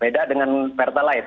dari konsumsi yang pertalite